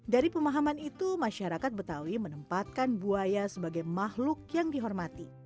dari pemahaman itu masyarakat betawi menempatkan buaya sebagai makhluk yang dihormati